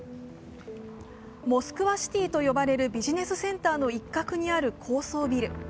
モスクワシティと呼ばれるビジネスセンターの一角にある高層ビル。